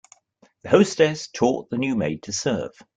The hostess taught the new maid to serve.